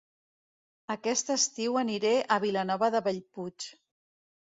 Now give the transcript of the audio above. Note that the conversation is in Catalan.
Aquest estiu aniré a Vilanova de Bellpuig